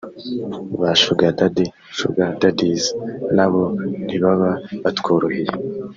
ba shugadadi (Sugar daddies) nabo ntibaba batworoheye